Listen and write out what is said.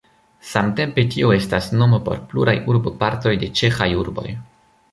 Samtempe tio estas nomo por pluraj urbopartoj de ĉeĥaj urboj.